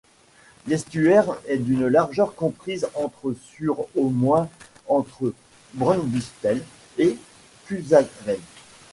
L’estuaire est d’une largeur comprise entre sur au moins entre Brunsbüttel et Cuxhaven.